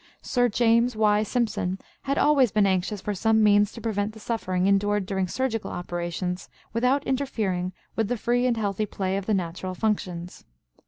Sir James Y. Simpson had always been anxious for some means to prevent the suffering endured during surgical operations "without interfering with the free and healthy play of the natural functions."